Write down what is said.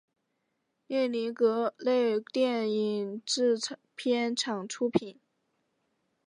列宁格勒电影制片厂出品。